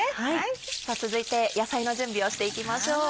さぁ続いて野菜の準備をしていきましょう。